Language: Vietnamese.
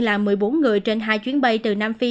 là một mươi bốn người trên hai chuyến bay từ nam phi